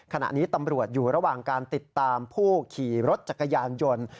ขณะนี้ตำรวจอยู่ระหว่างการติดตามผู้ขี่รถจักรยานยนต์